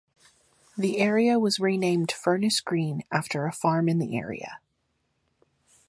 The area was renamed "Furnace Green" after a farm in the area.